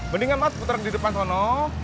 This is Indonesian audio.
mendingan mas puter di depan sono